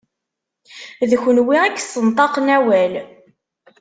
D kunwi i yessenṭaqen awal.